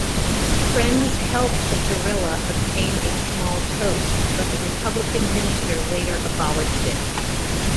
Friends helped Zorilla obtain a small post, but the republican minister later abolished it.